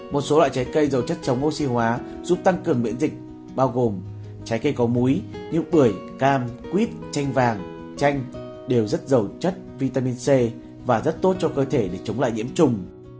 một số loại trái cây dầu chất chống oxy hóa giúp tăng cường miễn dịch bao gồm trái cây có múi như bưởi cam quýt chanh vàng chanh đều rất giàu chất vitamin c và rất tốt cho cơ thể để chống lại nhiễm trùng